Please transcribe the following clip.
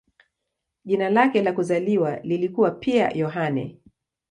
Jina lake la kuzaliwa lilikuwa pia "Yohane".